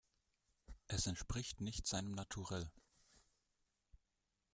Es entspricht nicht seinem Naturell.